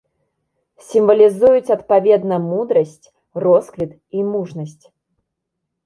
Сімвалізуюць адпаведна мудрасць, росквіт і мужнасць.